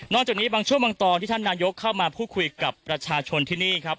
จากนี้บางช่วงบางตอนที่ท่านนายกเข้ามาพูดคุยกับประชาชนที่นี่ครับ